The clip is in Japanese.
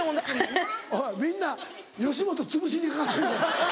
おいみんな吉本つぶしにかかってるぞ。